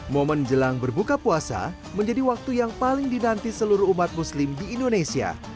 momen jelang berbuka puasa menjadi waktu yang paling dinanti seluruh umat muslim di indonesia